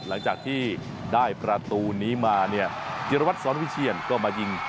หลังจากที่ได้ประตูนี้มาเนี่ยจิรวัตรสอนวิเชียนก็มายิง